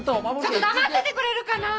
ちょっと黙っててくれるかな！